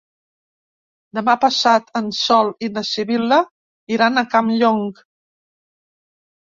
Demà passat en Sol i na Sibil·la iran a Campllong.